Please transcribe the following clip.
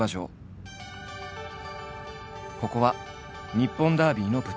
ここは日本ダービーの舞台。